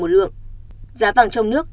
một lượng giá vàng trong nước